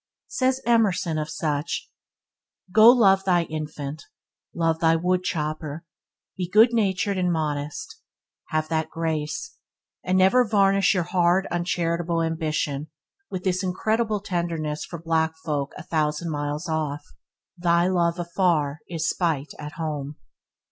Says Emerson of such – "Go, love they infant; love thy wood chopper; be good natured and modest; have that grace; and never varnish your hard uncharitable ambition with this incredible tenderness for black folk a thousand miles off. They love afar is spite at home".